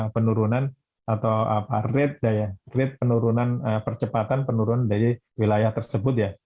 penurunan atau rate penurunan percepatan penurunan dari wilayah tersebut ya